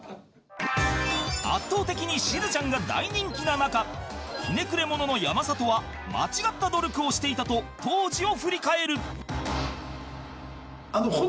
圧倒的にしずちゃんが大人気な中ひねくれ者の山里は間違った努力をしていたと当時を振り返る